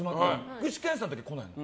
具志堅さんだけ来ないの。